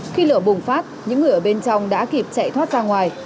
khi lửa bùng phát những người ở bên trong đã kịp chạy thoát ra ngoài